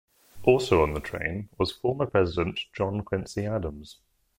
Also on the train was former president John Quincy Adams.